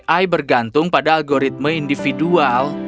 ai bergantung pada algoritma individual